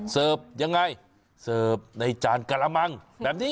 เสิร์ฟอย่างไรเสิร์ฟในจานกะระมังแบบนี้